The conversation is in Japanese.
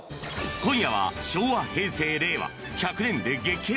今夜は昭和、平成、令和１００年で激変。